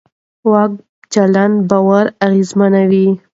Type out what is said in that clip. د واک چلند باور اغېزمنوي